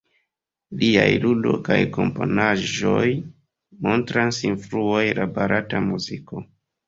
Liaj ludo kaj komponaĵoj montras influojn de barata muziko.